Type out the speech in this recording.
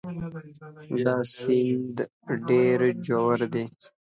دا سیند ډېر ژور دی.